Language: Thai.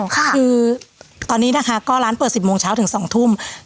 คือตอนนี้นะคะก็ร้านเปิด๑๐โมงเช้าถึง๒ทุ่ม